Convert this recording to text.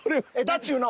っちゅーの。